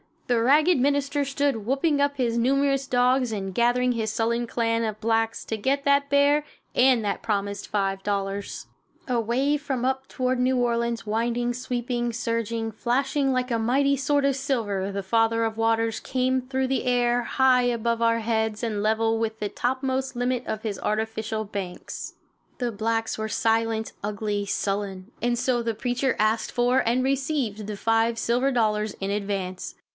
The ragged minister stood whooping up his numerous dogs and gathering his sullen clan of blacks to get that bear and that promised $5. Away from up toward New Orleans, winding, sweeping, surging, flashing like a mighty sword of silver, the Father of Waters came through the air, high above our heads and level with the topmost limit of his artificial banks. The blacks were silent, ugly, sullen, and so the preacher asked for and received the five silver dollars in advance.